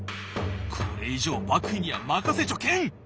これ以上幕府には任せちょけん！